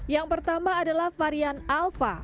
yang pertama adalah varian alpha